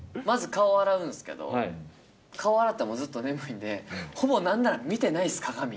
まず顔を洗うんですけど、顔洗ってもずっと眠いんで、ほぼ、なんなら見てないです、鏡。